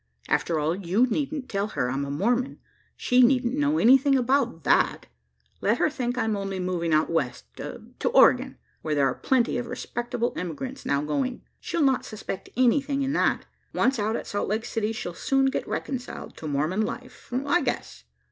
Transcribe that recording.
After all, you needn't tell her I'm a Mormon: she needn't know anything about that. Let her think I'm only moving out west to Oregon where there are plenty of respectable emigrants now going. She'll not suspect anything in that. Once out at Salt Lake City, she'll soon get reconciled to Mormon life, I guess."